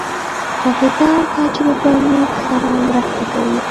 حافظه او تجربه موږ سره مرسته کوي.